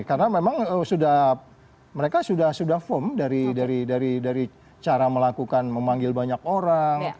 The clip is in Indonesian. karena memang mereka sudah form dari cara melakukan memanggil banyak orang